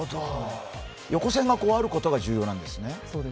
横線があることが重要なんですね。